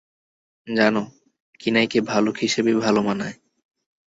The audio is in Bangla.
জানো, কিনাইকে ভালুক হিসেবেই ভালো মানায়।